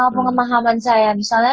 pengen pahaman saya misalnya